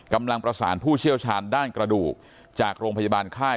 กำลังประสานผู้เชี่ยวชาญด้านกระดูกจากโรงพยาบาลค่าย